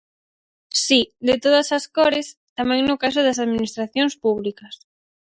Si, de todas as cores, tamén no caso das administracións públicas.